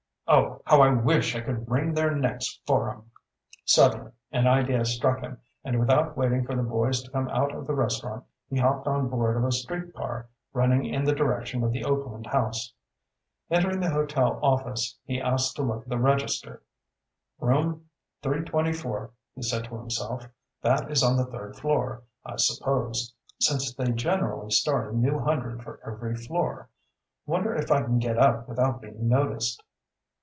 Oh, how I wish I could wring their necks for 'em!" Suddenly an idea struck him and without waiting for the boys to come out of the restaurant he hopped on board of a street car running in the direction of the Oakland House. Entering the hotel office he asked to look at the register. "Room 324," he said to himself. "That is on the third floor, I suppose, since they generally start a new hundred for every floor. Wonder if I can get up without being noticed?"